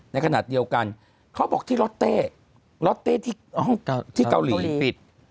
ในขณะเดียวกันเขาบอกที่ลอตเต้ที่เกาหลีปิด